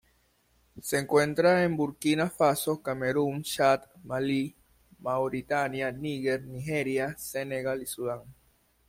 Se encuentra en Burkina Faso, Camerún, Chad, Malí, Mauritania, Níger, Nigeria, Senegal y Sudán.